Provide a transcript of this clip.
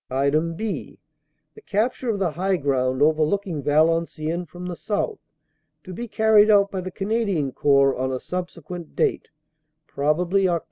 . "(b) The capture of the high ground overlooking Valen ciennes from the south to be carried out by the Canadian Corps on a subsequent date, probably Oct.